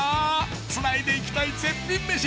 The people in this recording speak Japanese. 繋いでいきたい絶品メシ！